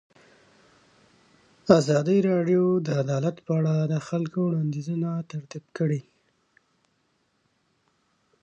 ازادي راډیو د عدالت په اړه د خلکو وړاندیزونه ترتیب کړي.